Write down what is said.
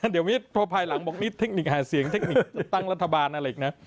เดี๋ยวนี้พอภายหลังบอกมีเทคนิคหาเสียงเทคนิคตั้งรัฐบาลอะไรอีกนะ